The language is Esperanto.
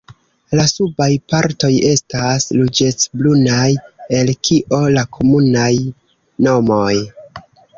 La subaj partoj estas ruĝecbrunaj, el kio la komunaj nomoj.